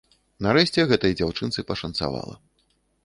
Нарэшце гэтай дзяўчынцы пашанцавала.